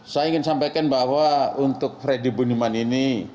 saya ingin sampaikan bahwa untuk freddy budiman ini